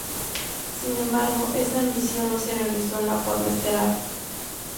Sin embargo esa ambición no se realizó en la forma esperada.